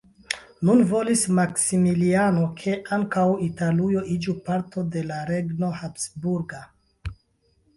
Nun volis Maksimiliano ke ankaŭ Italujo iĝu parto de la regno habsburga.